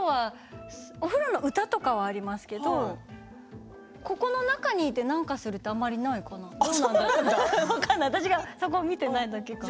お風呂の歌とかはありますけれどここの中にいて何かするということはあまりないかな分からない、私がそこを見ていないだけかな。